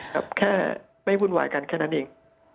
แค่ไม่วุ่นวายกันแค่นั้นเอง